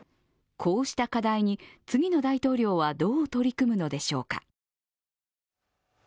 こうした課題に、次の大統領はどう取り組むのでしょうか。